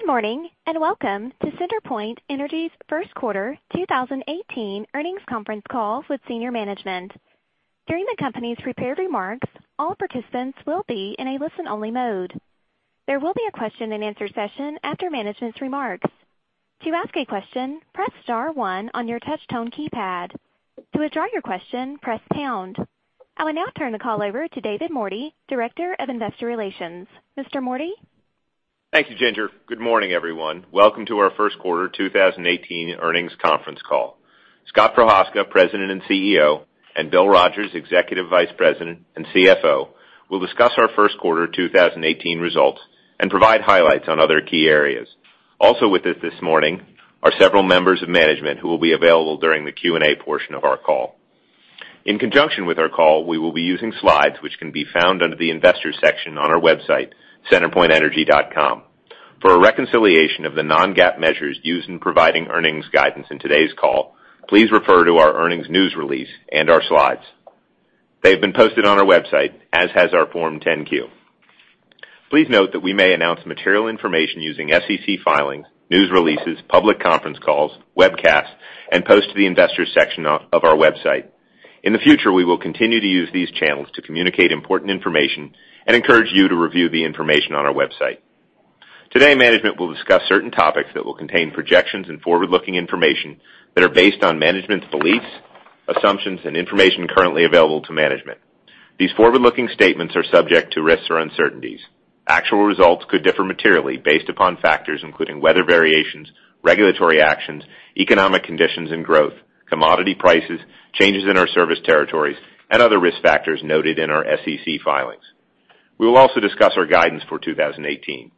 Good morning, welcome to CenterPoint Energy's first quarter 2018 earnings conference call with senior management. During the company's prepared remarks, all participants will be in a listen-only mode. There will be a question-and-answer session after management's remarks. To ask a question, press *1 on your touch tone keypad. To withdraw your question, press #. I will now turn the call over to David Mordy, Director of Investor Relations. Mr. Mordy? Thank you, Ginger. Good morning, everyone. Welcome to our first quarter 2018 earnings conference call. Scott Prochazka, President and CEO, and Bill Rogers, Executive Vice President and CFO, will discuss our first quarter 2018 results and provide highlights on other key areas. Also with us this morning are several members of management who will be available during the Q&A portion of our call. In conjunction with our call, we will be using slides which can be found under the investor section on our website, centerpointenergy.com. For a reconciliation of the non-GAAP measures used in providing earnings guidance in today's call, please refer to our earnings news release and our slides. They've been posted on our website, as has our Form 10-Q. Please note that we may announce material information using SEC filings, news releases, public conference calls, webcasts, and posts to the investors section of our website. In the future, we will continue to use these channels to communicate important information and encourage you to review the information on our website. Today, management will discuss certain topics that will contain projections and forward-looking information that are based on management's beliefs, assumptions, and information currently available to management. These forward-looking statements are subject to risks or uncertainties. Actual results could differ materially based upon factors including weather variations, regulatory actions, economic conditions and growth, commodity prices, changes in our service territories, and other risk factors noted in our SEC filings. We will also discuss our guidance for 2018.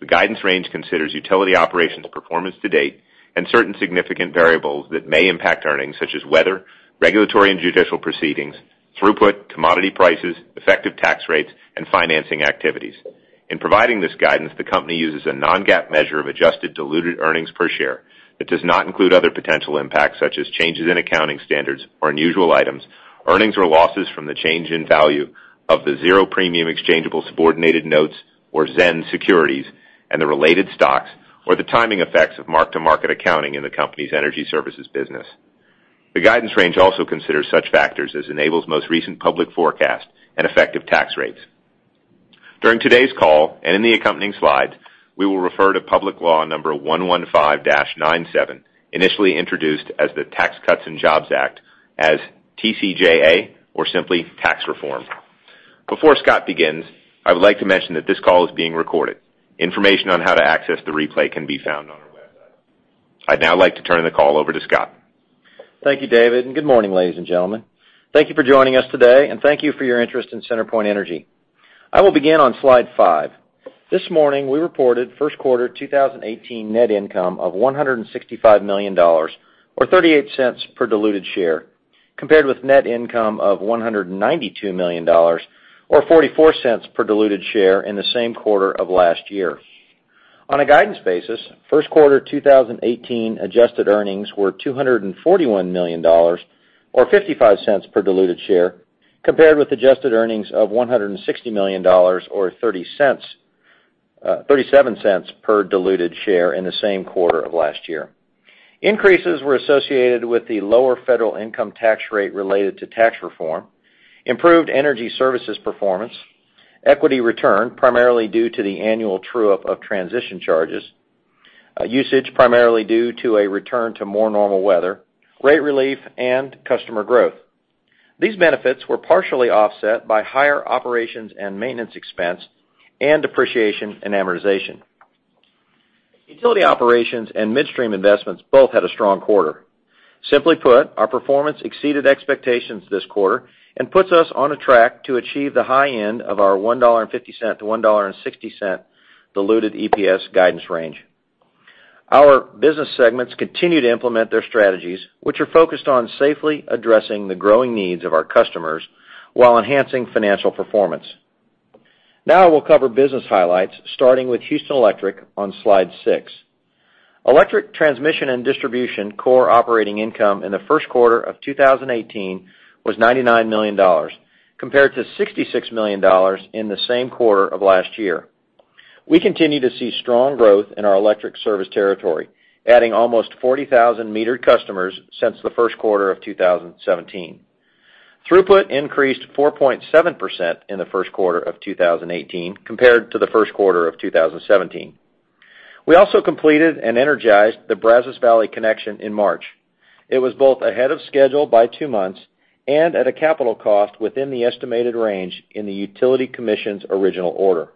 The guidance range considers utility operations performance to date and certain significant variables that may impact earnings, such as weather, regulatory and judicial proceedings, throughput, commodity prices, effective tax rates, and financing activities. In providing this guidance, the company uses a non-GAAP measure of adjusted diluted earnings per share that does not include other potential impacts such as changes in accounting standards or unusual items, earnings or losses from the change in value of the zero-premium exchangeable subordinated notes or ZENS securities and the related stocks, or the timing effects of mark-to-market accounting in the company's energy services business. The guidance range also considers such factors as Enable's most recent public forecast and effective tax rates. During today's call, and in the accompanying slides, we will refer to Public Law number 115-97, initially introduced as the Tax Cuts and Jobs Act, as TCJA, or simply Tax Reform. Before Scott begins, I would like to mention that this call is being recorded. Information on how to access the replay can be found on our website. I'd now like to turn the call over to Scott. Thank you, David, and good morning, ladies and gentlemen. Thank you for joining us today, and thank you for your interest in CenterPoint Energy. I will begin on slide five. This morning, we reported first quarter 2018 net income of $165 million, or $0.38 per diluted share, compared with net income of $192 million, or $0.44 per diluted share in the same quarter of last year. On a guidance basis, first quarter 2018 adjusted earnings were $241 million, or $0.55 per diluted share, compared with adjusted earnings of $160 million, or $0.37 per diluted share in the same quarter of last year. Increases were associated with the lower federal income tax rate related to tax reform, improved energy services performance, equity return, primarily due to the annual true-up of transition charges, usage, primarily due to a return to more normal weather, rate relief, and customer growth. These benefits were partially offset by higher operations and maintenance expense and depreciation and amortization. Utility operations and midstream investments both had a strong quarter. Simply put, our performance exceeded expectations this quarter and puts us on a track to achieve the high end of the $1.50 to $1.60 diluted EPS guidance range. Our business segments continue to implement their strategies, which are focused on safely addressing the growing needs of our customers while enhancing financial performance. Now we'll cover business highlights, starting with Houston Electric on slide six. Electric transmission and distribution core operating income in the first quarter of 2018 was $99 million, compared to $66 million in the same quarter of last year. We continue to see strong growth in our electric service territory, adding almost 40,000 metered customers since the first quarter of 2017. Throughput increased 4.7% in the first quarter of 2018 compared to the first quarter of 2017. We also completed and energized the Brazos Valley Connection in March. It was both ahead of schedule by two months and at a capital cost within the estimated range in the Utility Commission's original order.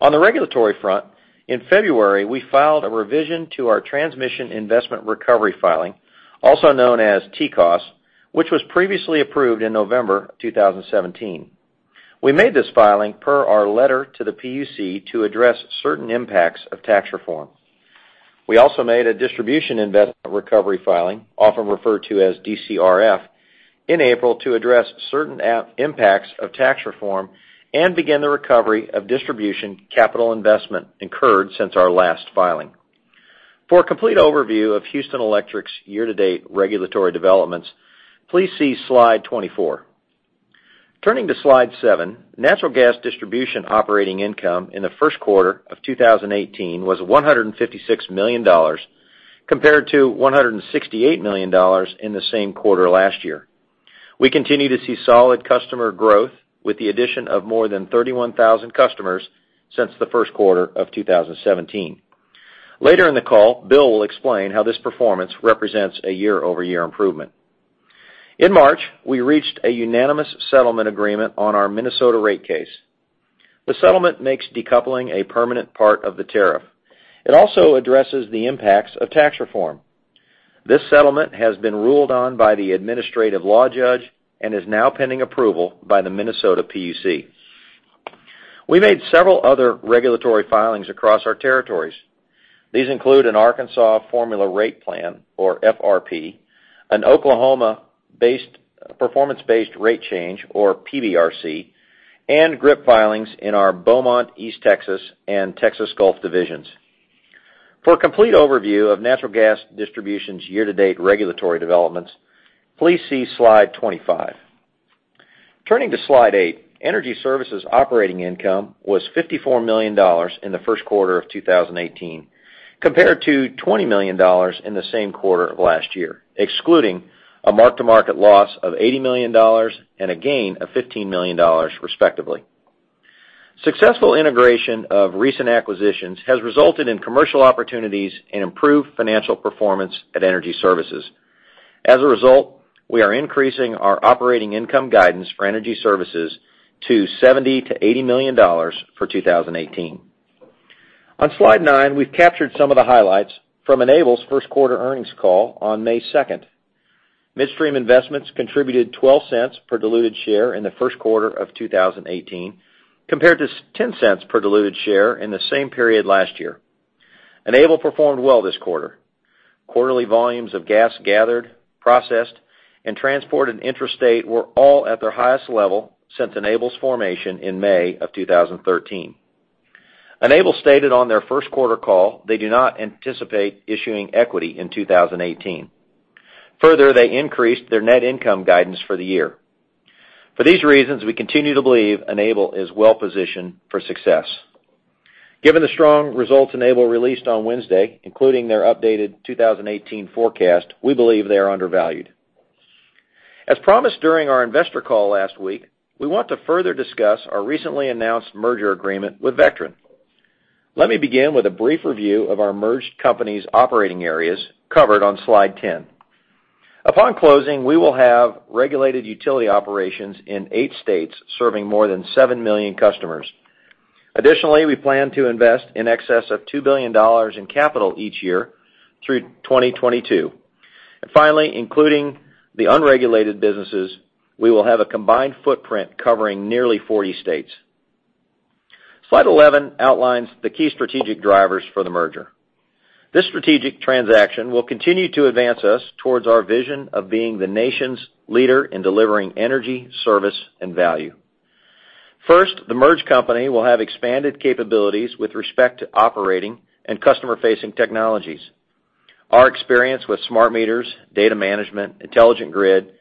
On the regulatory front, in February, we filed a revision to our transmission investment recovery filing, also known as TCOS, which was previously approved in November 2017. We made this filing per our letter to the PUC to address certain impacts of tax reform. We also made a distribution investment recovery filing, often referred to as DCRF, in April to address certain impacts of tax reform and begin the recovery of distribution capital investment incurred since our last filing. For a complete overview of Houston Electric's year-to-date regulatory developments, please see slide 24. Turning to slide seven, natural gas distribution operating income in the first quarter of 2018 was $156 million, compared to $168 million in the same quarter last year. We continue to see solid customer growth, with the addition of more than 31,000 customers since the first quarter of 2017. Later in the call, Bill will explain how this performance represents a year-over-year improvement. In March, we reached a unanimous settlement agreement on our Minnesota rate case. The settlement makes decoupling a permanent part of the tariff. It also addresses the impacts of tax reform. This settlement has been ruled on by the administrative law judge and is now pending approval by the Minnesota PUC. We made several other regulatory filings across our territories. These include an Arkansas formula rate plan, or FRP, an Oklahoma-based performance-based rate change, or PBRC, and GRIP filings in our Beaumont East Texas and Texas Gulf divisions. For a complete overview of natural gas distribution's year-to-date regulatory developments, please see slide 25. Turning to slide eight, Energy Services operating income was $54 million in the first quarter of 2018, compared to $20 million in the same quarter of last year, excluding a mark-to-market loss of $80 million and a gain of $15 million, respectively. Successful integration of recent acquisitions has resulted in commercial opportunities and improved financial performance at Energy Services. As a result, we are increasing our operating income guidance for Energy Services to $70 million-$80 million for 2018. On slide nine, we've captured some of the highlights from Enable's first quarter earnings call on May 2nd. Midstream investments contributed $0.12 per diluted share in the first quarter of 2018, compared to $0.10 per diluted share in the same period last year. Enable performed well this quarter. Quarterly volumes of gas gathered, processed, and transported intrastate were all at their highest level since Enable's formation in May of 2013. Enable stated on their first quarter call they do not anticipate issuing equity in 2018. Further, they increased their net income guidance for the year. For these reasons, we continue to believe Enable is well-positioned for success. Given the strong results Enable released on Wednesday, including their updated 2018 forecast, we believe they are undervalued. As promised during our investor call last week, we want to further discuss our recently announced merger agreement with Vectren. Let me begin with a brief review of our merged company's operating areas, covered on slide 10. Upon closing, we will have regulated utility operations in eight states, serving more than seven million customers. Additionally, we plan to invest in excess of $2 billion in capital each year through 2022. And finally, including the unregulated businesses, we will have a combined footprint covering nearly 40 states. Slide 11 outlines the key strategic drivers for the merger. This strategic transaction will continue to advance us towards our vision of being the nation's leader in delivering energy, service, and value. First, the merged company will have expanded capabilities with respect to operating and customer-facing technologies. Our experience with smart meters, data management, intelligent grid,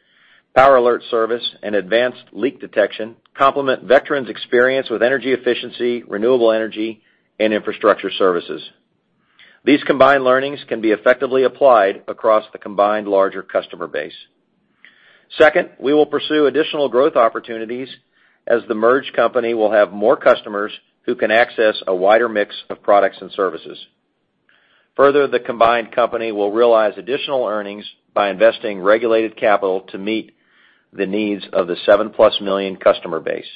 Power Alert Service, and advanced leak detection complement Vectren's experience with energy efficiency, renewable energy, and infrastructure services. These combined learnings can be effectively applied across the combined larger customer base. Second, we will pursue additional growth opportunities as the merged company will have more customers who can access a wider mix of products and services. Further, the combined company will realize additional earnings by investing regulated capital to meet the needs of the 7+ million customer base.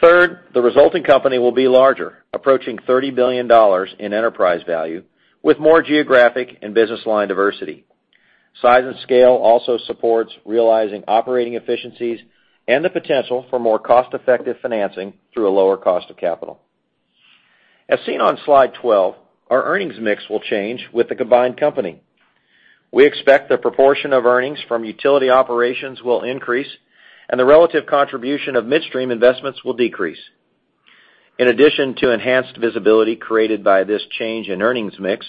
Third, the resulting company will be larger, approaching $30 billion in enterprise value, with more geographic and business line diversity. Size and scale also supports realizing operating efficiencies and the potential for more cost-effective financing through a lower cost of capital. As seen on slide 12, our earnings mix will change with the combined company. We expect the proportion of earnings from utility operations will increase, and the relative contribution of midstream investments will decrease. In addition to enhanced visibility created by this change in earnings mix,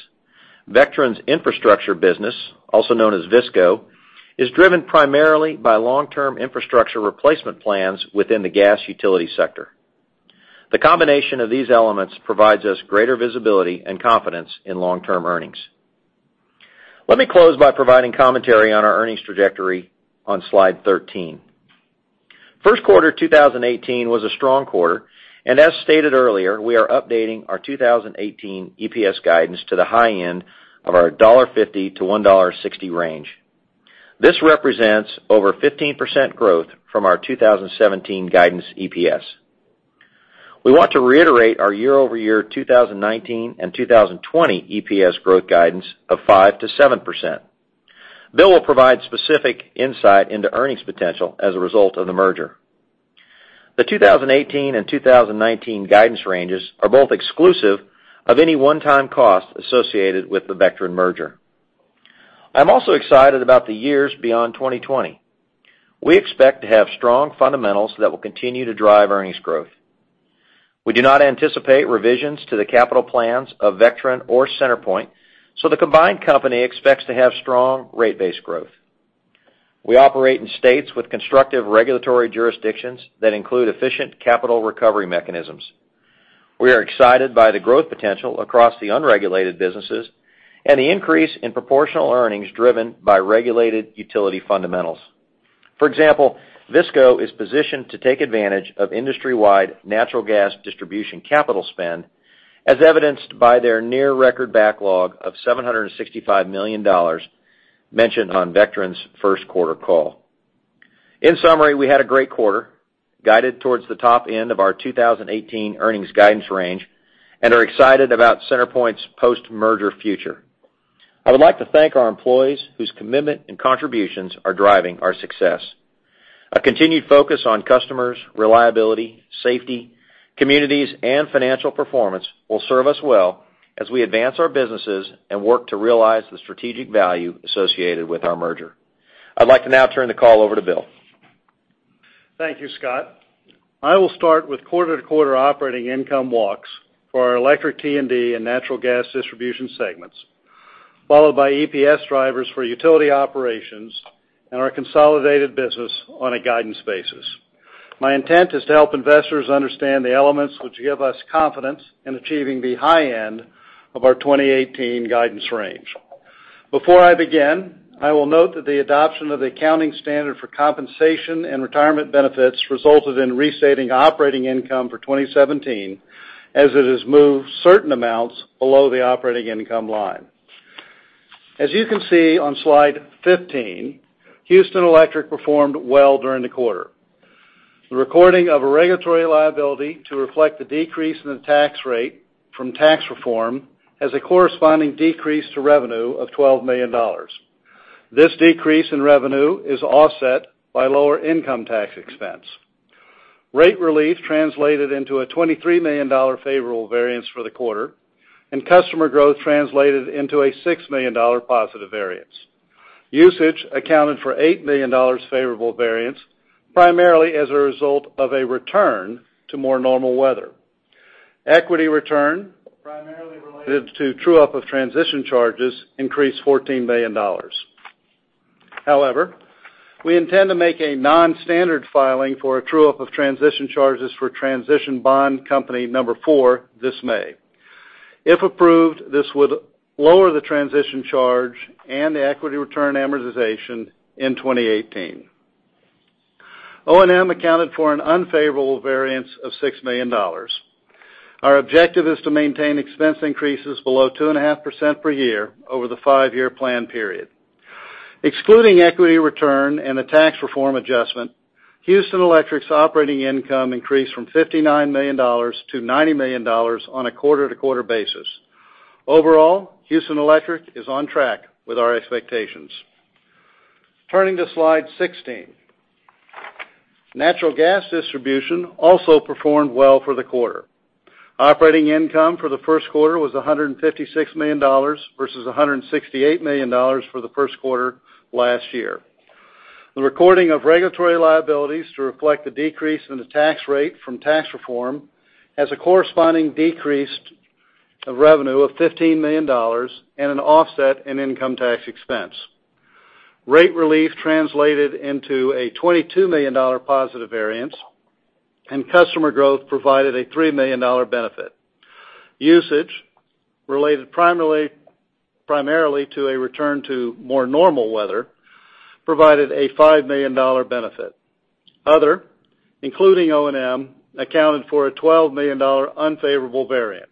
Vectren's infrastructure business, also known as VISCO, is driven primarily by long-term infrastructure replacement plans within the gas utility sector. The combination of these elements provides us greater visibility and confidence in long-term earnings. Let me close by providing commentary on our earnings trajectory on slide 13. First quarter 2018 was a strong quarter, and as stated earlier, we are updating our 2018 EPS guidance to the high end of our $1.50-$1.60 range. This represents over 15% growth from our 2017 guidance EPS. We want to reiterate our year-over-year 2019 and 2020 EPS growth guidance of 5%-7%. Bill will provide specific insight into earnings potential as a result of the merger. The 2018 and 2019 guidance ranges are both exclusive of any one-time cost associated with the Vectren merger. I'm also excited about the years beyond 2020. We expect to have strong fundamentals that will continue to drive earnings growth. We do not anticipate revisions to the capital plans of Vectren or CenterPoint, the combined company expects to have strong rate base growth. We operate in states with constructive regulatory jurisdictions that include efficient capital recovery mechanisms. We are excited by the growth potential across the unregulated businesses, and the increase in proportional earnings driven by regulated utility fundamentals. For example, VISCO is positioned to take advantage of industry-wide natural gas distribution capital spend, as evidenced by their near record backlog of $765 million mentioned on Vectren's first quarter call. In summary, we had a great quarter, guided towards the top end of our 2018 earnings guidance range, are excited about CenterPoint's post-merger future. I would like to thank our employees whose commitment and contributions are driving our success. A continued focus on customers, reliability, safety, communities, and financial performance will serve us well as we advance our businesses and work to realize the strategic value associated with our merger. I'd like to now turn the call over to Bill. Thank you, Scott. I will start with quarter-to-quarter operating income walks for our electric T&D and natural gas distribution segments, followed by EPS drivers for utility operations and our consolidated business on a guidance basis. My intent is to help investors understand the elements which give us confidence in achieving the high end of our 2018 guidance range. Before I begin, I will note that the adoption of the accounting standard for compensation and retirement benefits resulted in restating operating income for 2017, as it has moved certain amounts below the operating income line. As you can see on slide 15, Houston Electric performed well during the quarter. The recording of a regulatory liability to reflect the decrease in the tax rate from tax reform has a corresponding decrease to revenue of $12 million. This decrease in revenue is offset by lower income tax expense. Rate relief translated into a $23 million favorable variance for the quarter. Customer growth translated into a $6 million positive variance. Usage accounted for $8 million favorable variance, primarily as a result of a return to more normal weather. Equity return, primarily related to true-up of transition charges, increased $14 million. However, we intend to make a non-standard filing for a true-up of transition charges for transition bond company number 4 this May. If approved, this would lower the transition charge and the equity return amortization in 2018. O&M accounted for an unfavorable variance of $6 million. Our objective is to maintain expense increases below 2.5% per year over the five-year plan period. Excluding equity return and the tax reform adjustment, Houston Electric's operating income increased from $59 million to $90 million on a quarter-to-quarter basis. Overall, Houston Electric is on track with our expectations. Turning to slide 16. Natural gas distribution also performed well for the quarter. Operating income for the first quarter was $156 million, versus $168 million for the first quarter last year. The recording of regulatory liabilities to reflect the decrease in the tax rate from tax reform has a corresponding decrease of revenue of $15 million and an offset in income tax expense. Rate relief translated into a $22 million positive variance. Customer growth provided a $3 million benefit. Usage related primarily to a return to more normal weather provided a $5 million benefit. Other, including O&M, accounted for a $12 million unfavorable variance.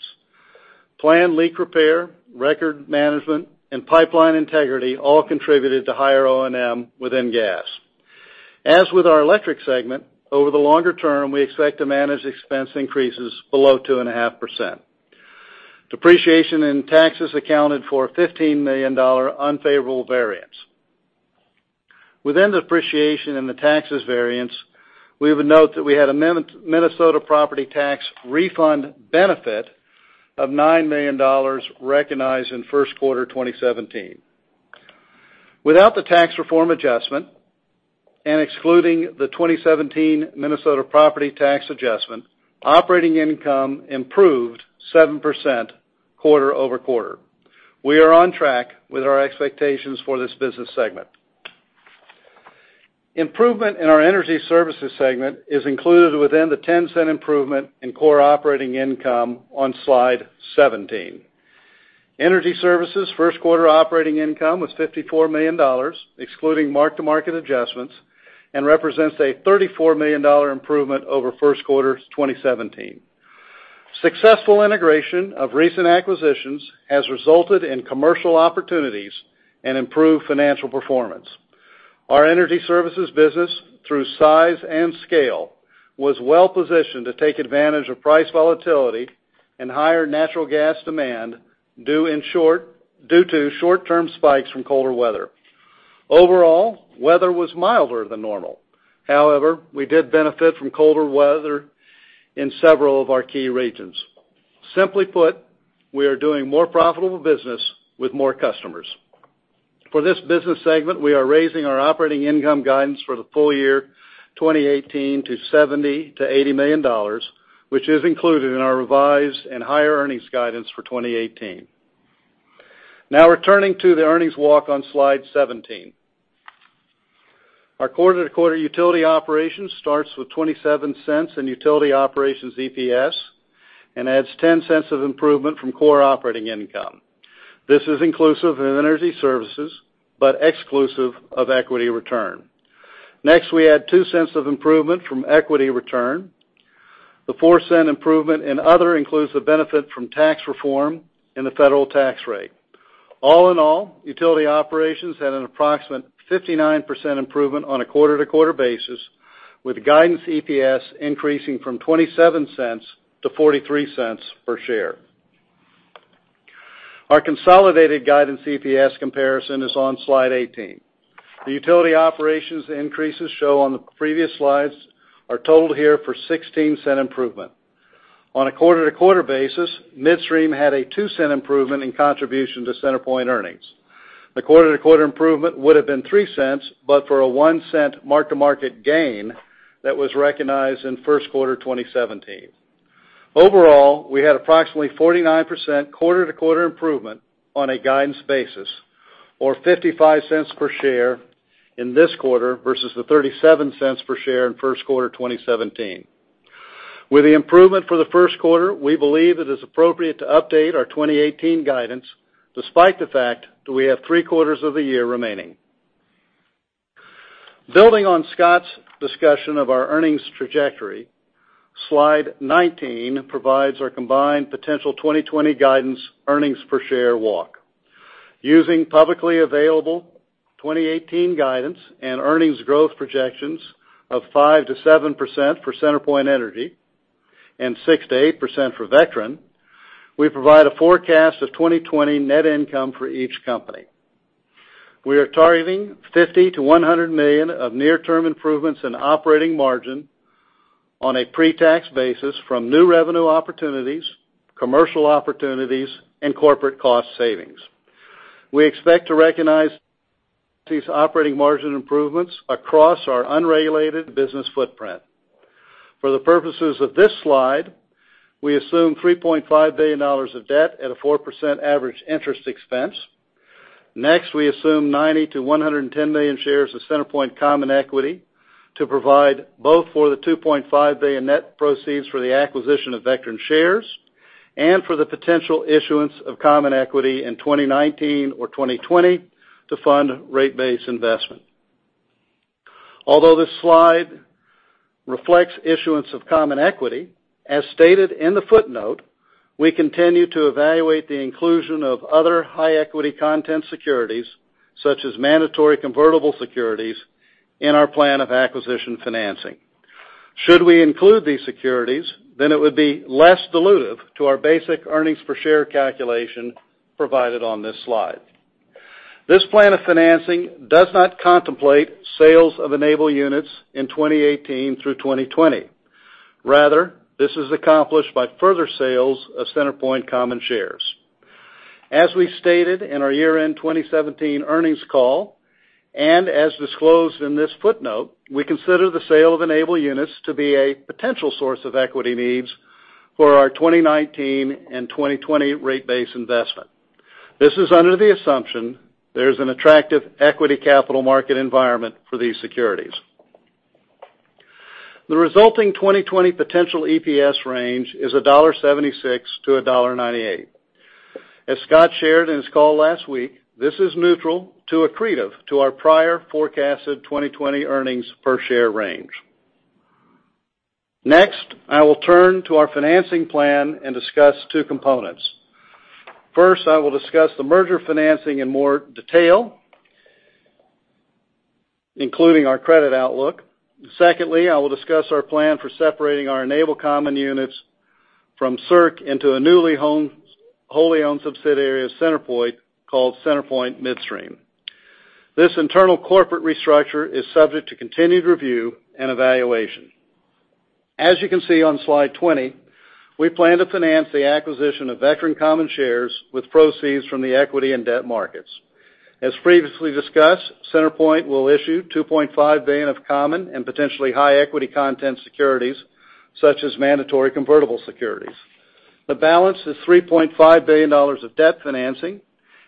Planned leak repair, record management, and pipeline integrity all contributed to higher O&M within gas. As with our electric segment, over the longer term, we expect to manage expense increases below 2.5%. Depreciation and taxes accounted for a $15 million unfavorable variance. Within the depreciation and the taxes variance, we would note that we had a Minnesota property tax refund benefit of $9 million recognized in first quarter 2017. Without the tax reform adjustment, excluding the 2017 Minnesota property tax adjustment, operating income improved 7% quarter-over-quarter. We are on track with our expectations for this business segment. Improvement in our energy services segment is included within the $0.10 improvement in core operating income on slide 17. Energy services first quarter operating income was $54 million, excluding mark-to-market adjustments, and represents a $34 million improvement over first quarter 2017. Successful integration of recent acquisitions has resulted in commercial opportunities and improved financial performance. Our energy services business, through size and scale, was well-positioned to take advantage of price volatility and higher natural gas demand due to short-term spikes from colder weather. Overall, weather was milder than normal. However, we did benefit from colder weather in several of our key regions. Simply put, we are doing more profitable business with more customers. For this business segment, we are raising our operating income guidance for the full year 2018 to $70 million-$80 million, which is included in our revised and higher earnings guidance for 2018. Now returning to the earnings walk on slide 17. Our quarter-over-quarter utility operations starts with $0.27 in utility operations EPS and adds $0.10 of improvement from core operating income. This is inclusive of Energy Services, but exclusive of equity return. Next, we add $0.02 of improvement from equity return. The $0.04 improvement in other includes the benefit from tax reform and the federal tax rate. All in all, utility operations had an approximate 59% improvement on a quarter-over-quarter basis, with guidance EPS increasing from $0.27 to $0.43 per share. Our consolidated guidance EPS comparison is on slide 18. The utility operations increases show on the previous slides are totaled here for $0.16 improvement. On a quarter-over-quarter basis, Midstream had a $0.02 improvement in contribution to CenterPoint earnings. The quarter-over-quarter improvement would've been $0.03, but for a $0.01 mark-to-market gain that was recognized in first quarter 2017. Overall, we had approximately 49% quarter-over-quarter improvement on a guidance basis, or $0.55 per share in this quarter versus the $0.37 per share in first quarter 2017. With the improvement for the first quarter, we believe it is appropriate to update our 2018 guidance despite the fact that we have three quarters of the year remaining. Building on Scott's discussion of our earnings trajectory, slide 19 provides our combined potential 2020 guidance earnings per share walk. Using publicly available 2018 guidance and earnings growth projections of 5%-7% for CenterPoint Energy and 6%-8% for Vectren, we provide a forecast of 2020 net income for each company. We are targeting $50 million-$100 million of near-term improvements in operating margin on a pre-tax basis from new revenue opportunities, commercial opportunities, and corporate cost savings. We expect to recognize these operating margin improvements across our unregulated business footprint. For the purposes of this slide, we assume $3.5 billion of debt at a 4% average interest expense. Next, we assume 90 million-110 million shares of CenterPoint common equity to provide both for the $2.5 billion net proceeds for the acquisition of Vectren shares and for the potential issuance of common equity in 2019 or 2020 to fund rate base investment. Although this slide reflects issuance of common equity, as stated in the footnote, we continue to evaluate the inclusion of other high equity content securities, such as mandatory convertible securities, in our plan of acquisition financing. Should we include these securities, then it would be less dilutive to our basic earnings per share calculation provided on this slide. This plan of financing does not contemplate sales of Enable units in 2018 through 2020. Rather, this is accomplished by further sales of CenterPoint common shares. As we stated in our year-end 2017 earnings call, and as disclosed in this footnote, we consider the sale of Enable units to be a potential source of equity needs for our 2019 and 2020 rate base investment. This is under the assumption there's an attractive equity capital market environment for these securities. The resulting 2020 potential EPS range is $1.76-$1.98. As Scott shared in his call last week, this is neutral to accretive to our prior forecasted 2020 earnings per share range. Next, I will turn to our financing plan and discuss two components. First, I will discuss the merger financing in more detail, including our credit outlook. I will discuss our plan for separating our Enable common units from CERC into a newly wholly owned subsidiary of CenterPoint called CenterPoint Midstream. This internal corporate restructure is subject to continued review and evaluation. As you can see on slide 20, we plan to finance the acquisition of Vectren common shares with proceeds from the equity and debt markets. As previously discussed, CenterPoint will issue $2.5 billion of common and potentially high equity content securities, such as mandatory convertible securities. The balance is $3.5 billion of debt financing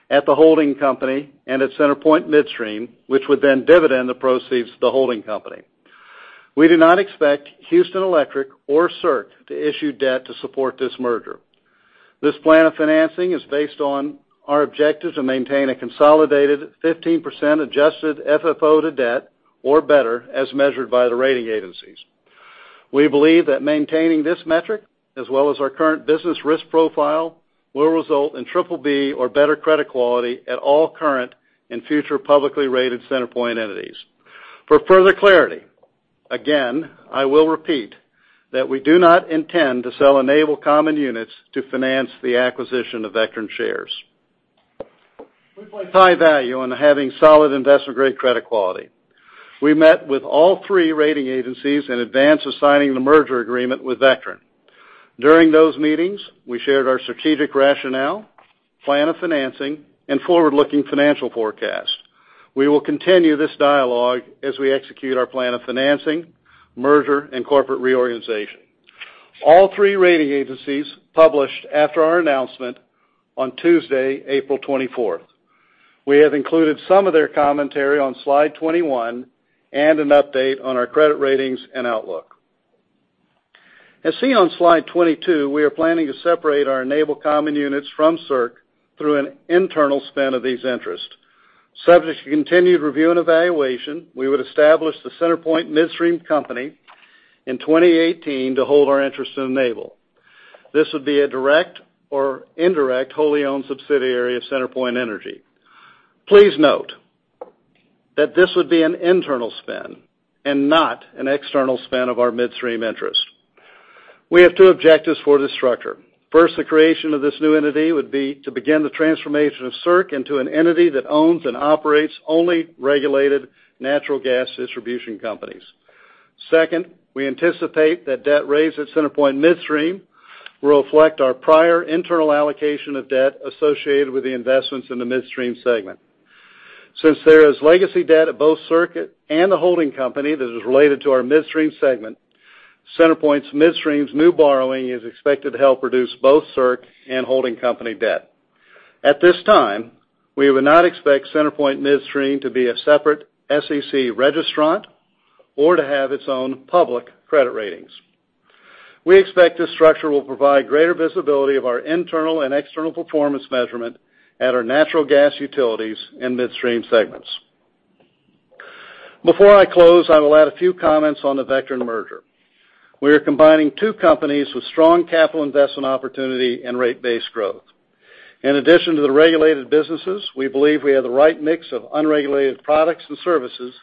at the holding company and at CenterPoint Midstream, which would then dividend the proceeds to the holding company. We do not expect Houston Electric or CERC to issue debt to support this merger. This plan of financing is based on our objective to maintain a consolidated 15% adjusted FFO to debt or better as measured by the rating agencies. We believe that maintaining this metric, as well as our current business risk profile, will result in BBB or better credit quality at all current and future publicly rated CenterPoint entities. For further clarity, again, I will repeat that we do not intend to sell Enable common units to finance the acquisition of Vectren shares. We place high value on having solid investment-grade credit quality. We met with all three rating agencies in advance of signing the merger agreement with Vectren. During those meetings, we shared our strategic rationale, plan of financing, and forward-looking financial forecast. We will continue this dialogue as we execute our plan of financing, merger, and corporate reorganization. All three rating agencies published after our announcement on Tuesday, April 24th. We have included some of their commentary on slide 21, and an update on our credit ratings and outlook. As seen on slide 22, we are planning to separate our Enable common units from CERC through an internal spin of these interests. Subject to continued review and evaluation, we would establish the CenterPoint Midstream Company in 2018 to hold our interest in Enable. This would be a direct or indirect wholly owned subsidiary of CenterPoint Energy. Please note that this would be an internal spin and not an external spin of our midstream interest. We have two objectives for this structure. The creation of this new entity would be to begin the transformation of CERC into an entity that owns and operates only regulated natural gas distribution companies. We anticipate that debt raised at CenterPoint Midstream will reflect our prior internal allocation of debt associated with the investments in the midstream segment. Since there is legacy debt at both CERC and the holding company that is related to our midstream segment, CenterPoint's Midstream's new borrowing is expected to help reduce both CERC and holding company debt. At this time, we would not expect CenterPoint Midstream to be a separate SEC registrant or to have its own public credit ratings. We expect this structure will provide greater visibility of our internal and external performance measurement at our natural gas utilities and midstream segments. Before I close, I will add a few comments on the Vectren merger. We are combining two companies with strong capital investment opportunity and rate-based growth. In addition to the regulated businesses, we believe we have the right mix of unregulated products and services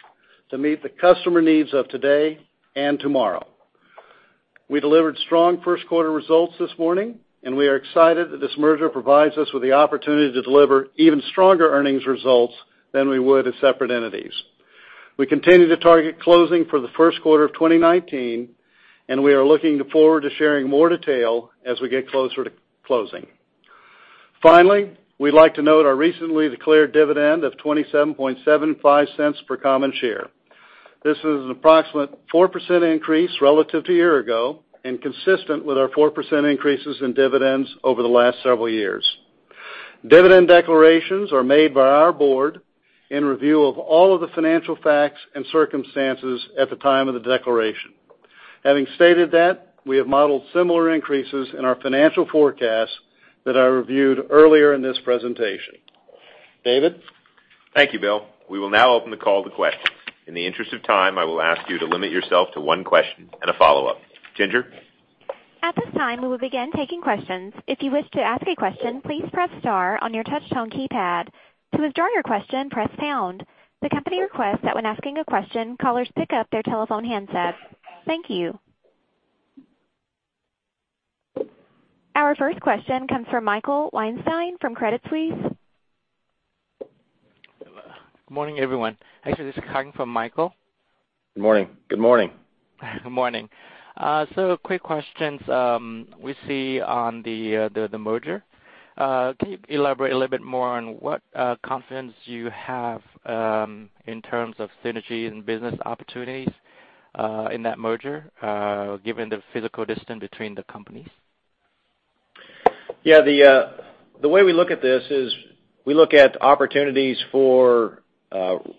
to meet the customer needs of today and tomorrow. We delivered strong first quarter results this morning, and we are excited that this merger provides us with the opportunity to deliver even stronger earnings results than we would as separate entities. We continue to target closing for the first quarter of 2019, and we are looking forward to sharing more detail as we get closer to closing. Finally, we'd like to note our recently declared dividend of $0.2775 per common share. This is an approximate 4% increase relative to a year ago and consistent with our 4% increases in dividends over the last several years. Dividend declarations are made by our board in review of all of the financial facts and circumstances at the time of the declaration. Having stated that, we have modeled similar increases in our financial forecasts that I reviewed earlier in this presentation. David? Thank you, Bill. We will now open the call to questions. In the interest of time, I will ask you to limit yourself to one question and a follow-up. Ginger? At this time, we will begin taking questions. If you wish to ask a question, please press star on your touch-tone keypad. To withdraw your question, press pound. The company requests that when asking a question, callers pick up their telephone handsets. Thank you. Our first question comes from Michael Weinstein from Credit Suisse. Good morning, everyone. Actually, this is coming from Michael. Good morning. Good morning. Quick questions. We see on the merger. Can you elaborate a little bit more on what confidence you have in terms of synergy and business opportunities in that merger given the physical distance between the companies? Yeah. The way we look at this is we look at opportunities for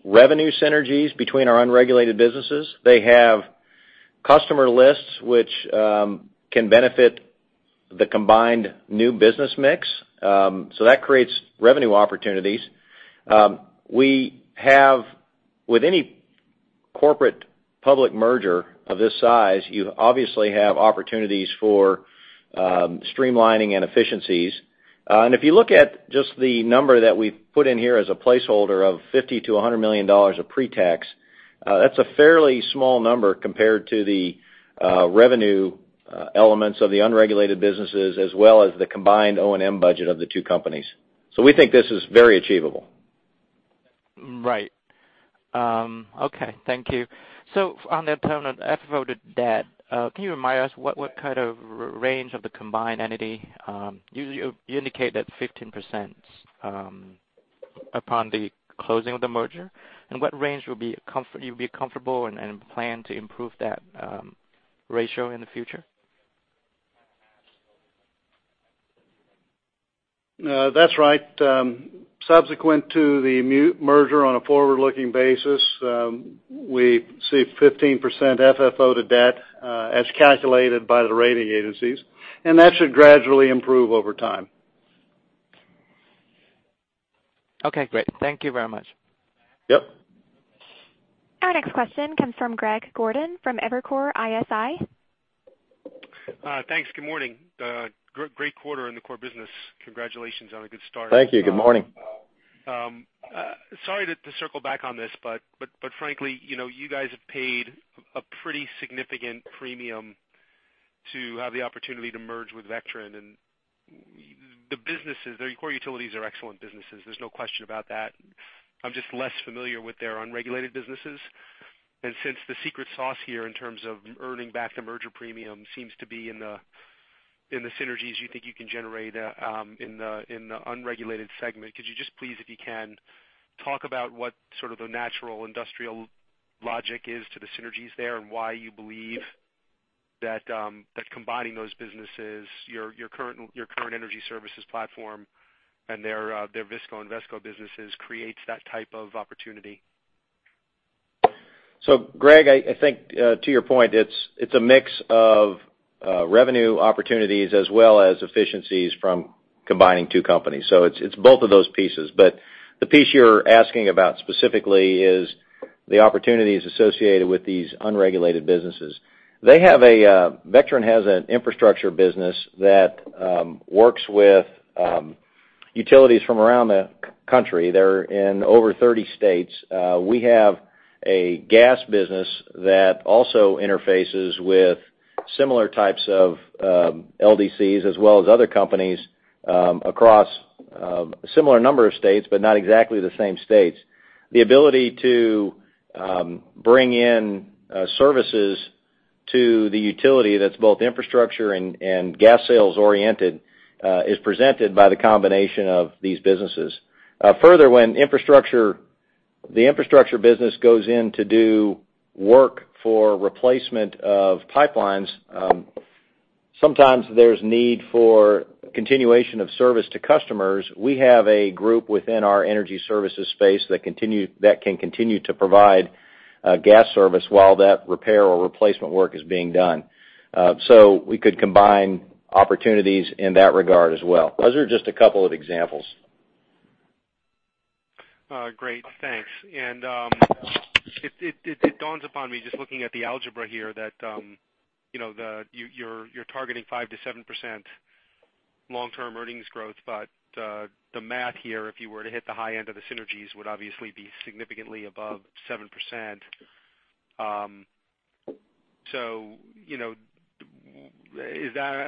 revenue synergies between our unregulated businesses. They have customer lists which can benefit the combined new business mix. That creates revenue opportunities. With any corporate public merger of this size, you obviously have opportunities for streamlining and efficiencies. If you look at just the number that we've put in here as a placeholder of $50 million-$100 million of pre-tax, that's a fairly small number compared to the revenue elements of the unregulated businesses as well as the combined O&M budget of the two companies. We think this is very achievable. Right. Okay. Thank you. On that term of FFO to debt, can you remind us what kind of range of the combined entity? You indicate that 15% upon the closing of the merger. What range you'd be comfortable and plan to improve that ratio in the future? That's right. Subsequent to the merger on a forward-looking basis, we see 15% FFO to debt as calculated by the rating agencies, and that should gradually improve over time. Okay, great. Thank you very much. Yep. Our next question comes from Greg Gordon from Evercore ISI. Thanks. Good morning. Great quarter in the core business. Congratulations on a good start. Thank you. Good morning. Sorry to circle back on this. Frankly, you guys have paid a pretty significant premium to have the opportunity to merge with Vectren. The core utilities are excellent businesses. There's no question about that. I'm just less familiar with their unregulated businesses. Since the secret sauce here in terms of earning back the merger premium seems to be in the synergies you think you can generate in the unregulated segment, could you just please, if you can, talk about what the natural industrial logic is to the synergies there, and why you believe that combining those businesses, your current energy services platform and their VISCO and VESCO businesses, creates that type of opportunity? Greg, I think to your point, it's a mix of revenue opportunities as well as efficiencies from combining two companies. It's both of those pieces. The piece you're asking about specifically is the opportunities associated with these unregulated businesses. Vectren has an infrastructure business that works with utilities from around the country. They're in over 30 states. We have a gas business that also interfaces with similar types of LDCs as well as other companies across a similar number of states, but not exactly the same states. The ability to bring in services to the utility that's both infrastructure and gas sales oriented is presented by the combination of these businesses. Further, when the infrastructure business goes in to do work for replacement of pipelines, sometimes there's need for continuation of service to customers. We have a group within our energy services space that can continue to provide gas service while that repair or replacement work is being done. We could combine opportunities in that regard as well. Those are just a couple of examples. Great, thanks. It dawns upon me just looking at the algebra here that you're targeting 5%-7% long-term earnings growth, but the math here, if you were to hit the high end of the synergies, would obviously be significantly above 7%.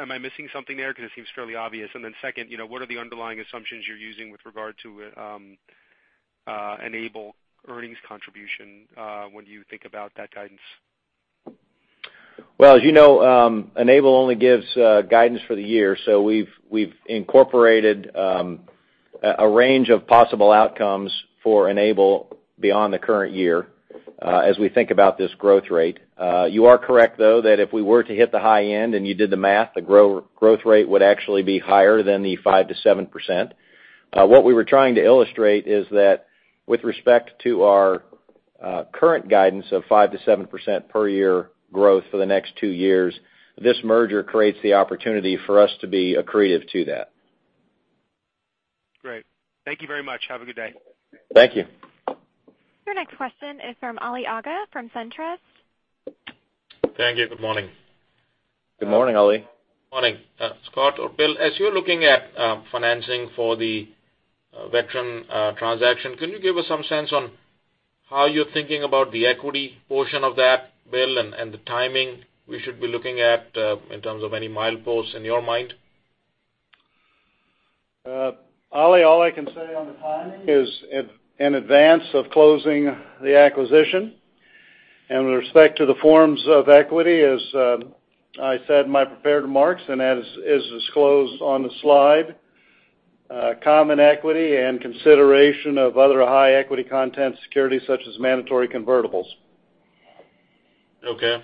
Am I missing something there? Because it seems fairly obvious. Second, what are the underlying assumptions you're using with regard to Enable earnings contribution when you think about that guidance? Well, as you know, Enable only gives guidance for the year. We've incorporated a range of possible outcomes for Enable beyond the current year as we think about this growth rate. You are correct, though, that if we were to hit the high end and you did the math, the growth rate would actually be higher than the 5%-7%. What we were trying to illustrate is that with respect to our current guidance of 5%-7% per year growth for the next two years, this merger creates the opportunity for us to be accretive to that. Great. Thank you very much. Have a good day. Thank you. Your next question is from Ali Agha from SunTrust. Thank you. Good morning. Good morning, Ali. Morning. Scott or Bill, as you're looking at financing for the Vectren transaction, can you give us some sense on how you're thinking about the equity portion of that, Bill, and the timing we should be looking at in terms of any mileposts in your mind? Ali, all I can say on the timing is in advance of closing the acquisition. With respect to the forms of equity, as I said in my prepared remarks and as is disclosed on the slide, common equity and consideration of other high equity content securities such as mandatory convertibles. Okay.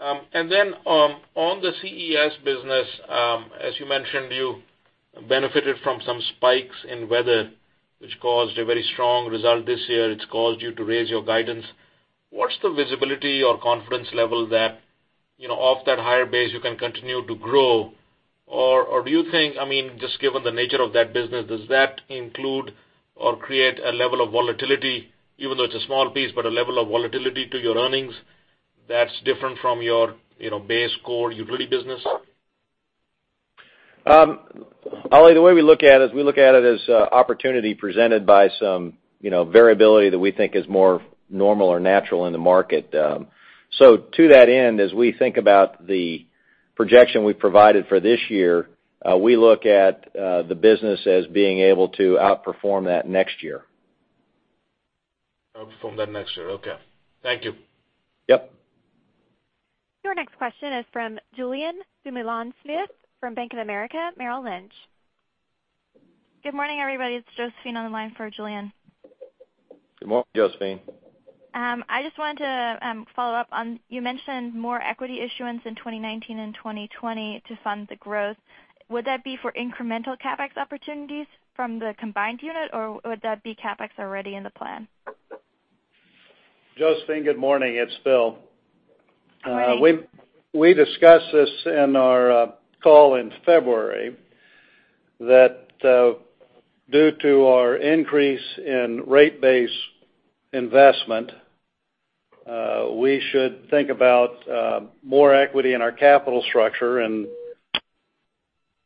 On the CES business, as you mentioned, you benefited from some spikes in weather, which caused a very strong result this year. It's caused you to raise your guidance. What's the visibility or confidence level that off that higher base you can continue to grow? Do you think, just given the nature of that business, does that include or create a level of volatility, even though it's a small piece, but a level of volatility to your earnings that's different from your base core utility business? Ali, the way we look at it is we look at it as opportunity presented by some variability that we think is more normal or natural in the market. To that end, as we think about the projection we've provided for this year, we look at the business as being able to outperform that next year. Outperform that next year, okay. Thank you. Yep. Your next question is from Julien Dumoulin-Smith from Bank of America Merrill Lynch. Good morning, everybody. It's Josephine on the line for Julian. Good morning, Josephine. I just wanted to follow up on, you mentioned more equity issuance in 2019 and 2020 to fund the growth. Would that be for incremental CapEx opportunities from the combined unit, or would that be CapEx already in the plan? Josephine, good morning. It's Bill. Morning. We discussed this in our call in February that due to our increase in rate base investment we should think about more equity in our capital structure.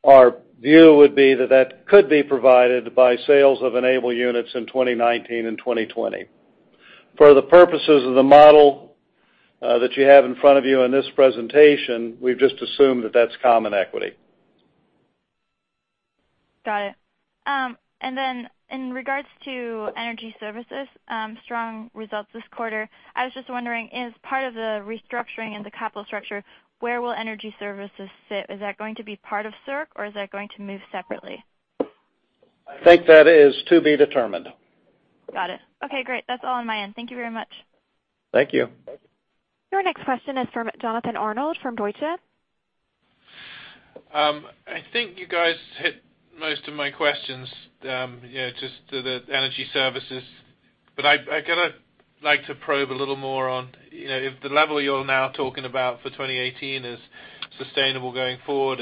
Our view would be that that could be provided by sales of Enable units in 2019 and 2020. For the purposes of the model that you have in front of you in this presentation, we've just assumed that that's common equity. Got it. Then in regards to energy services, strong results this quarter. I was just wondering, as part of the restructuring and the capital structure, where will energy services fit? Is that going to be part of CERC or is that going to move separately? I think that is to be determined. Got it. Okay, great. That's all on my end. Thank you very much. Thank you. Your next question is from Jonathan Arnold from Deutsche. I think you guys hit most of my questions, just to the energy services. I like to probe a little more on if the level you're now talking about for 2018 is sustainable going forward.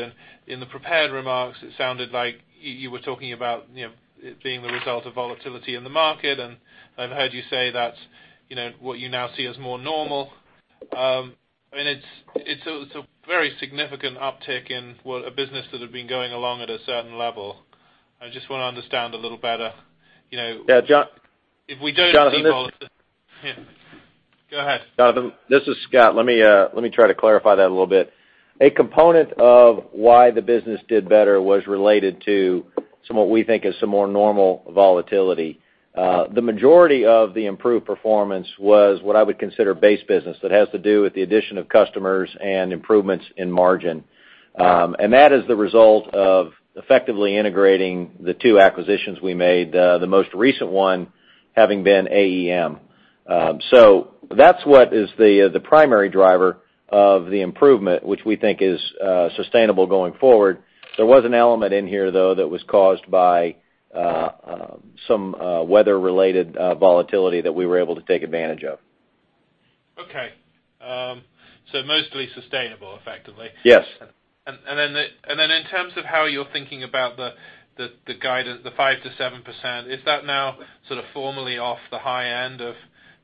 In the prepared remarks, it sounded like you were talking about it being the result of volatility in the market. I've heard you say that's what you now see as more normal. It's a very significant uptick in a business that had been going along at a certain level. I just want to understand a little better. Yeah, Jon. If we don't see volatility. Yeah. Go ahead. Jonathan, this is Scott. Let me try to clarify that a little bit. A component of why the business did better was related to what we think is some more normal volatility. The majority of the improved performance was what I would consider base business that has to do with the addition of customers and improvements in margin. That is the result of effectively integrating the two acquisitions we made, the most recent one having been AEM. That's what is the primary driver of the improvement, which we think is sustainable going forward. There was an element in here, though, that was caused by some weather-related volatility that we were able to take advantage of. Okay. Mostly sustainable, effectively. Yes. In terms of how you're thinking about the guidance, the 5%-7%, is that now sort of formally off the high end of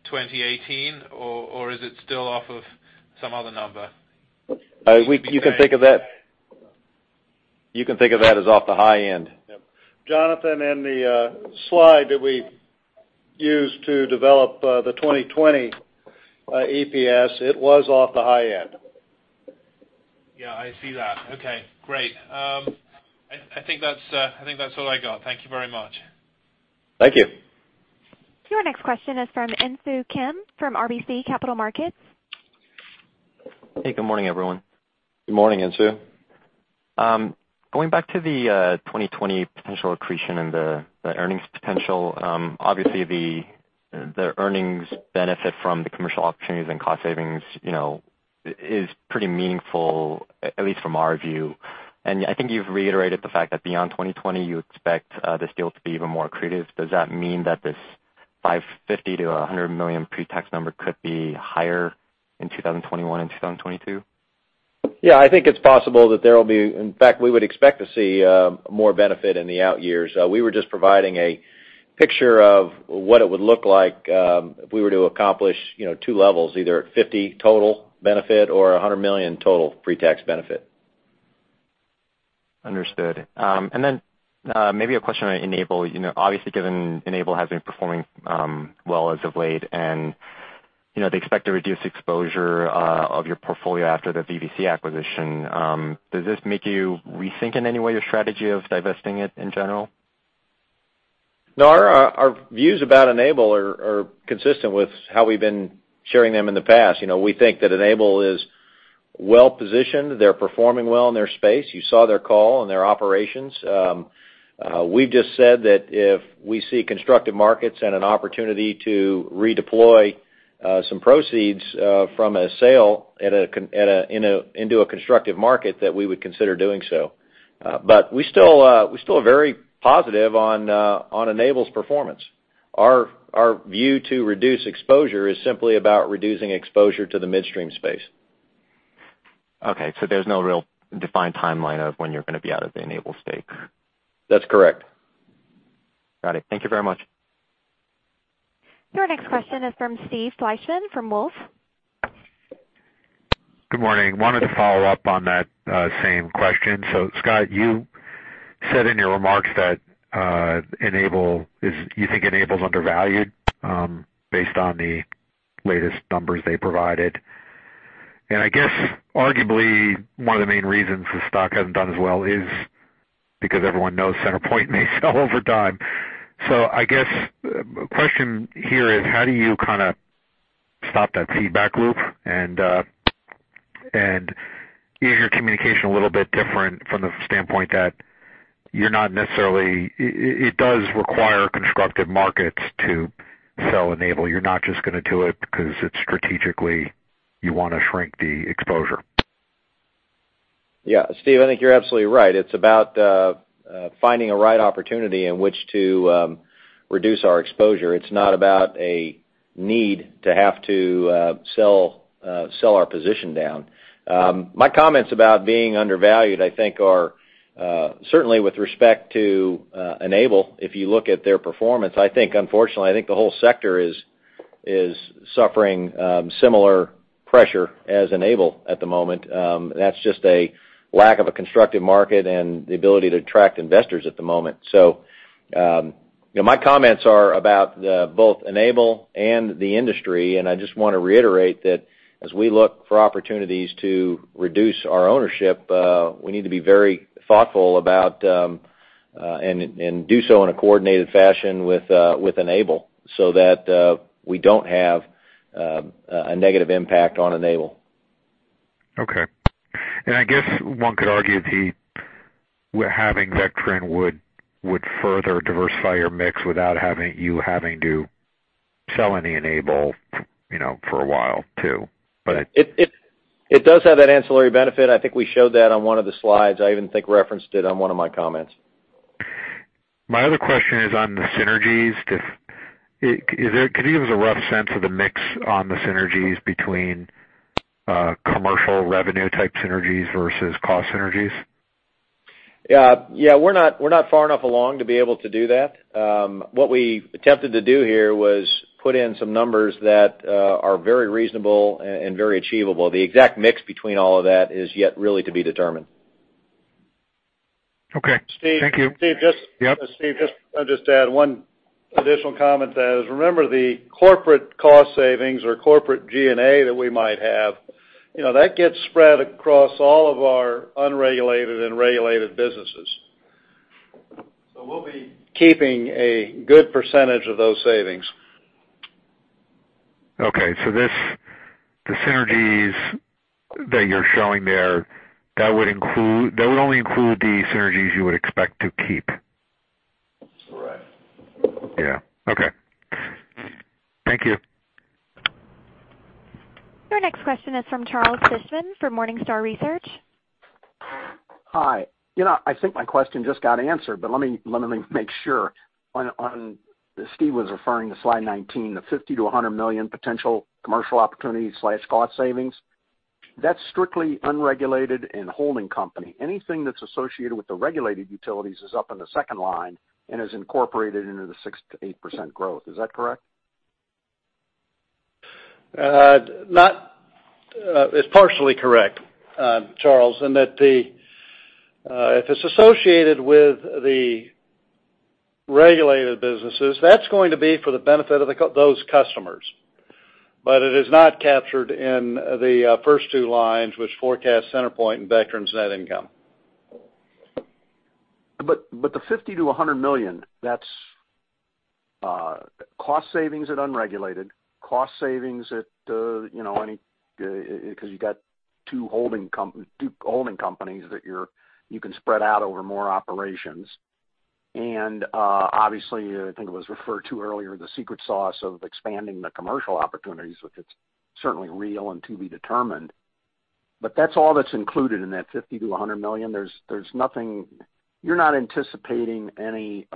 2018, or is it still off of some other number? You can think of that as off the high end. Jonathan, in the slide that we used to develop the 2020 EPS, it was off the high end. Yeah, I see that. Okay, great. I think that's all I got. Thank you very much. Thank you. Your next question is from Insoo Kim from RBC Capital Markets. Hey, good morning, everyone. Good morning, Insoo. Going back to the 2020 potential accretion and the earnings potential, obviously the earnings benefit from the commercial opportunities and cost savings is pretty meaningful, at least from our view. I think you've reiterated the fact that beyond 2020, you expect this deal to be even more accretive. Does that mean that this $50 million to $100 million pre-tax number could be higher in 2021 and 2022? Yeah, I think it's possible that in fact, we would expect to see more benefit in the out years. We were just providing a picture of what it would look like if we were to accomplish two levels, either at $50 total benefit or $100 million total pre-tax benefit. Understood. Maybe a question on Enable. Obviously, given Enable has been performing well as of late, they expect to reduce exposure of your portfolio after the VVC acquisition, does this make you rethink in any way your strategy of divesting it in general? No, our views about Enable are consistent with how we've been sharing them in the past. We think that Enable is well-positioned. They're performing well in their space. You saw their call and their operations. We've just said that if we see constructive markets and an opportunity to redeploy some proceeds from a sale into a constructive market, that we would consider doing so. We're still very positive on Enable's performance. Our view to reduce exposure is simply about reducing exposure to the midstream space. There's no real defined timeline of when you're going to be out of the Enable stake. That's correct. Got it. Thank you very much. Your next question is from Steve Fleishman from Wolfe. Good morning. Wanted to follow up on that same question. Scott Prochazka, you said in your remarks that you think Enable's undervalued based on the latest numbers they provided. Arguably one of the main reasons the stock hasn't done as well is because everyone knows CenterPoint Energy may sell over time. A question here is how do you kind of stop that feedback loop and is your communication a little bit different from the standpoint that it does require constructive markets to sell Enable. You're not just going to do it because strategically you want to shrink the exposure. Yeah. Steve Fleishman, I think you're absolutely right. It's about finding a right opportunity in which to reduce our exposure. It's not about a need to have to sell our position down. My comments about being undervalued, I think are certainly with respect to Enable. If you look at their performance, unfortunately, I think the whole sector is suffering similar pressure as Enable at the moment. That's just a lack of a constructive market and the ability to attract investors at the moment. My comments are about both Enable and the industry, and I just want to reiterate that as we look for opportunities to reduce our ownership, we need to be very thoughtful about and do so in a coordinated fashion with Enable so that we don't have a negative impact on Enable. Okay. I guess one could argue having Vectren would further diversify your mix without you having to sell any Enable for a while, too. It does have that ancillary benefit. I think we showed that on one of the slides. I even think referenced it on one of my comments. My other question is on the synergies. Could you give us a rough sense of the mix on the synergies between commercial revenue type synergies versus cost synergies? Yeah. We're not far enough along to be able to do that. What we attempted to do here was put in some numbers that are very reasonable and very achievable. The exact mix between all of that is yet really to be determined. Okay. Thank you. Steve? Yep. Steve, I'll just add one additional comment. Remember the corporate cost savings or corporate G&A that we might have, that gets spread across all of our unregulated and regulated businesses. We'll be keeping a good percentage of those savings. Okay, the synergies that you're showing there, that would only include the synergies you would expect to keep. Correct. Yeah. Okay. Thank you. Your next question is from Charles Fishman for Morningstar. Hi. I think my question just got answered, let me make sure. Steve was referring to slide 19, the $50 million-$100 million potential commercial opportunity/cost savings. That's strictly unregulated in holding company. Anything that's associated with the regulated utilities is up in the second line and is incorporated into the 6%-8% growth. Is that correct? It's partially correct, Charles, in that if it's associated with the regulated businesses, that's going to be for the benefit of those customers. It is not captured in the first two lines, which forecast CenterPoint and Vectren's net income. The $50 million-$100 million, that's cost savings at unregulated, cost savings at because you've got two holding companies that you can spread out over more operations. Obviously, I think it was referred to earlier, the secret sauce of expanding the commercial opportunities, which it's certainly real and to be determined. That's all that's included in that $50 million-$100 million? You're not anticipating any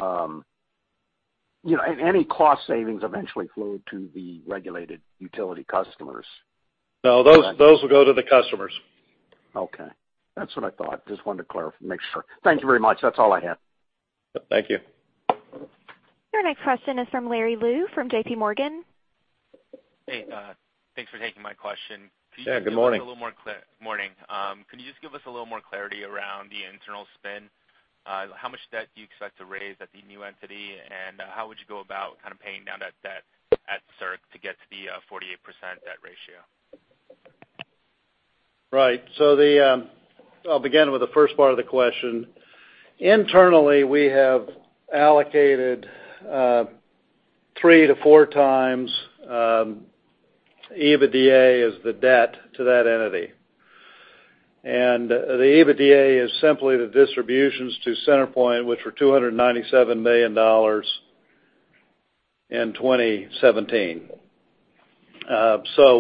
cost savings eventually flowed to the regulated utility customers? No, those will go to the customers. Okay. That's what I thought. Just wanted to make sure. Thank you very much. That's all I had. Thank you. Your next question is from Larry Lu from JP Morgan. Hey, thanks for taking my question. Yeah, good morning. Morning. Could you just give us a little more clarity around the internal spin? How much debt do you expect to raise at the new entity, and how would you go about kind of paying down that debt at CERC to get to the 48% debt ratio? Right. I'll begin with the first part of the question. Internally, we have allocated 3-4 times EBITDA as the debt to that entity. The EBITDA is simply the distributions to CenterPoint, which were $297 million in 2017.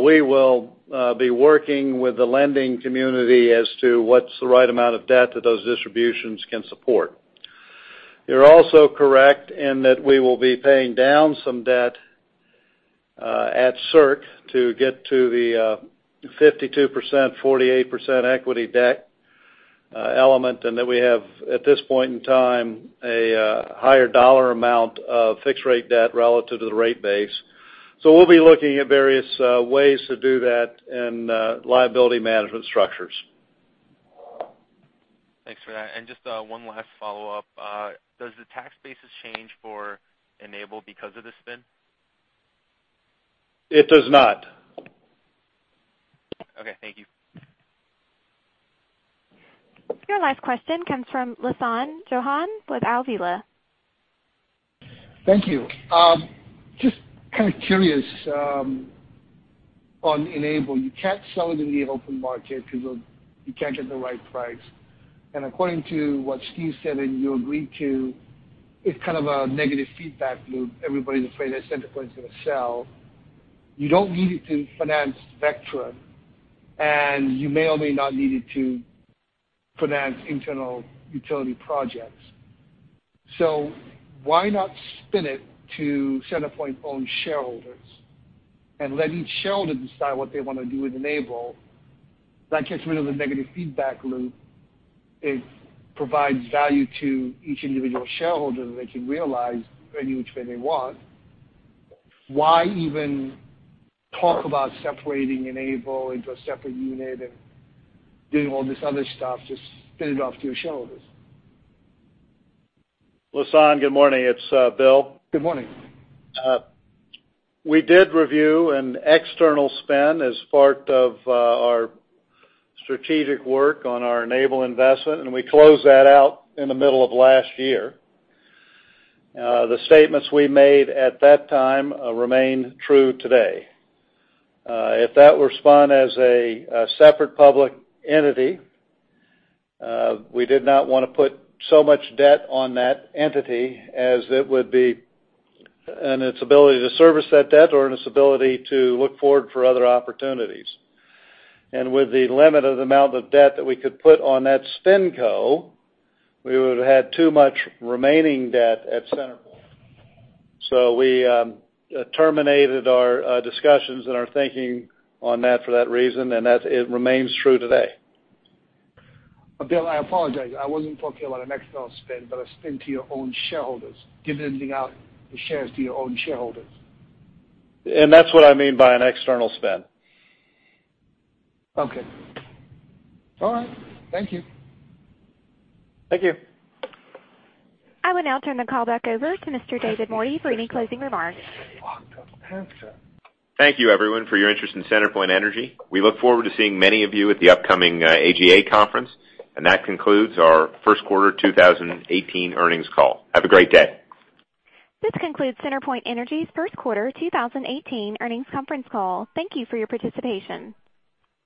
We will be working with the lending community as to what's the right amount of debt that those distributions can support. You're also correct in that we will be paying down some debt at CERC to get to the 52%/48% equity debt element, and that we have, at this point in time, a higher dollar amount of fixed rate debt relative to the rate base. We'll be looking at various ways to do that in liability management structures. Thanks for that. Just one last follow-up. Does the tax basis change for Enable because of the spin? It does not. Okay, thank you. Your last question comes from Lasan Johong with Avenir. Thank you. Just kind of curious on Enable. You can't sell it in the open market because you can't get the right price. According to what Steve said, and you agreed to, it's kind of a negative feedback loop. Everybody's afraid that CenterPoint's going to sell. You don't need it to finance Vectren, and you may or may not need it to finance internal utility projects. Why not spin it to CenterPoint own shareholders and let each shareholder decide what they want to do with Enable? That gets rid of the negative feedback loop. It provides value to each individual shareholder that they can realize any which way they want. Why even talk about separating Enable into a separate unit and doing all this other stuff? Just spin it off to your shareholders. Lasan, good morning. It's Bill. Good morning. We did review an external spin as part of our strategic work on our Enable investment, and we closed that out in the middle of last year. The statements we made at that time remain true today. If that were spun as a separate public entity, we did not want to put so much debt on that entity as it would be on its ability to service that debt or on its ability to look forward for other opportunities. With the limit of the amount of debt that we could put on that spin co, we would have had too much remaining debt at CenterPoint. We terminated our discussions and our thinking on that for that reason, and it remains true today. Bill, I apologize. I wasn't talking about an external spin, but a spin to your own shareholders. Giving the shares to your own shareholders. That's what I mean by an external spin. Okay. All right. Thank you. Thank you. I will now turn the call back over to Mr. David Mordy for any closing remarks. Thank you, everyone, for your interest in CenterPoint Energy. We look forward to seeing many of you at the upcoming AGA conference. That concludes our first quarter 2018 earnings call. Have a great day. This concludes CenterPoint Energy's first quarter 2018 earnings conference call. Thank you for your participation.